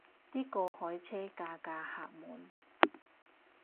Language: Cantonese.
啲過海車架架客滿